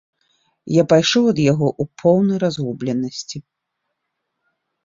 Я пайшоў ад яго ў поўнай разгубленасці.